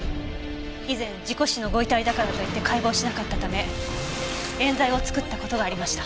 以前事故死のご遺体だからといって解剖をしなかったため冤罪を作った事がありました。